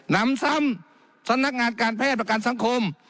นำซ้ำสำนักงานการแพทย์ประกันสังคม